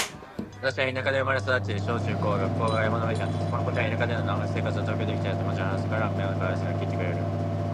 私は田舎で生まれ育ち、小・中・高は学校が山の上にあった。このことや田舎での生活を東京でできた友達に話すと、彼らは目を輝かせながら聞いてくれる。